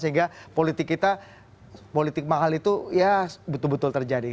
sehingga politik kita politik mahal itu ya betul betul terjadi